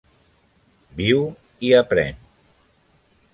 Viu i aprèn.